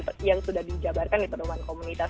karena kami yang sudah dijabarkan di penerimaan komunitas